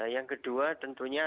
yang kedua tentunya ada